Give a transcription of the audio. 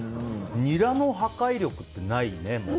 ニラの破壊力ってないよね。